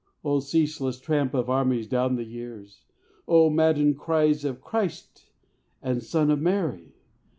"O ceaseless tramp of armies down the years! O maddened cries of 'Christ' and 'Son of Mary!'